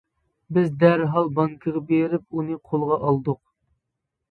بىز دەرھال بانكىغا بېرىپ ئۇنى قولغا ئالدۇق.